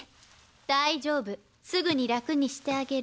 大丈夫すぐに楽にしてあげる。